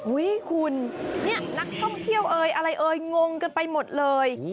คุณเนี่ยนักท่องเที่ยวเอ่ยอะไรเอ่ยงงกันไปหมดเลย